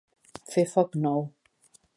Fer foc nou.